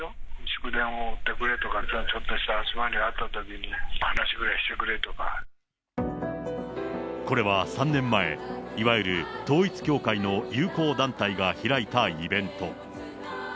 祝電を打ってくれとか、ちょっとした集まりがあったときに、これは３年前、いわゆる統一教会の友好団体が開いたイベント。